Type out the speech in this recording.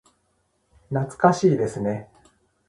懐かしいですね。